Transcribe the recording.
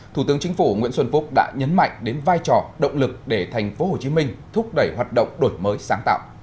thủ tướng chính phủ nguyễn xuân phúc đã nhấn mạnh đến vai trò động lực để tp hcm thúc đẩy hoạt động đổi mới sáng tạo